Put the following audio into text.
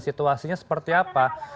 situasinya seperti apa